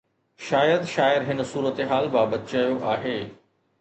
شايد شاعر هن صورتحال بابت چيو آهي.